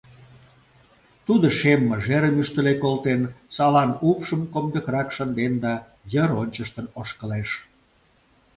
Тудо шем мыжерым ӱштыле колтен, салан упшым комдыкрак шынден да йыр ончыштын ошкылеш.